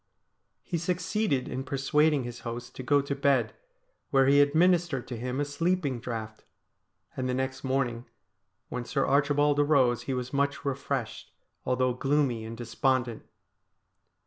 He succeeded in persuading his host to go to bed, where he administered to him a sleeping draught, and the next morning when Sir Archibald arose he was much refreshed, although gloomy and despondent.